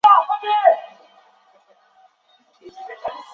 瓦利森特镇区为美国堪萨斯州塞奇威克县辖下的镇区。